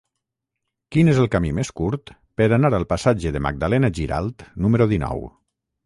Quin és el camí més curt per anar al passatge de Magdalena Giralt número dinou?